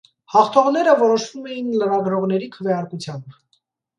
Հաղթողները որոշվում էիր լրագրողների քվեարկությամբ։